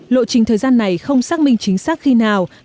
lộ trình thời gian này không xác minh chính xác khi nào